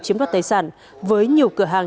chiếm đoạt tài sản với nhiều cửa hàng